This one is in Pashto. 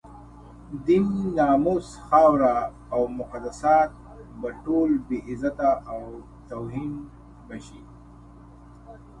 دين، ناموس، خاوره او مقدسات به ټول بې عزته او توهین به شي.